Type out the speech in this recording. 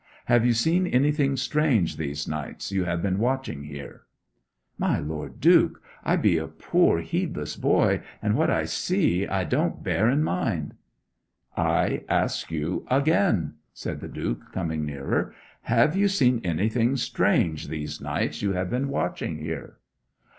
Have you seen anything strange these nights you have been watching here?' 'My Lord Duke, I be a poor heedless boy, and what I see I don't bear in mind.' 'I ask you again,' said the Duke, coming nearer, 'have you seen anything strange these nights you have been watching here?'